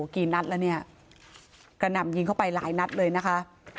กี่นัดแล้วเนี่ยกระหน่ำยิงเข้าไปหลายนัดเลยนะคะ